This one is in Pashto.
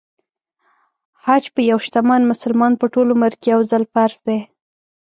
حج په یو شتمن مسلمان په ټول عمر کې يو ځل فرض دی .